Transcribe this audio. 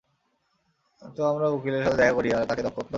তো আমরা উকিলের সাথে দেখা করি, আর তাকে দত্তক নেই।